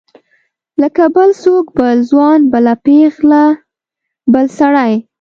لکه بل څوک بل ځوان بله پیغله بل سړی.